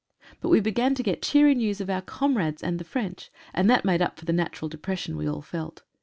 But we began to get cheery news of our comrades, and the French, and that made up for the natural de pression we all felt.